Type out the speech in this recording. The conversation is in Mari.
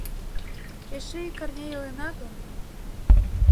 Эше ик арня илена гын